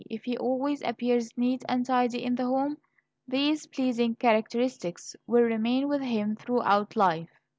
If he always appears neat and tidy in the home, these pleasing characteristics will remain with him throughout life.